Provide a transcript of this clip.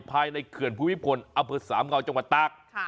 ภายในเขื่อนภูมิพลอสามเงาจังหวัดตาก